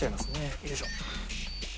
よいしょ。